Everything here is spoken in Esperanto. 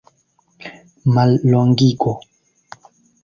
mallongigo